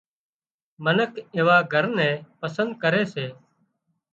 منک ايوا گھر نين پسند ڪري سي